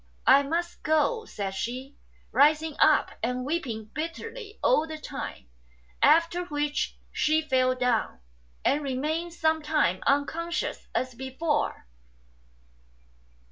" I must go," said she, rising up and weeping bitterly all the time ; after which she fell down, and remained some time unconscious as before.